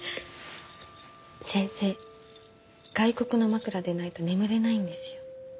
先生外国の枕でないと眠れないんですよ。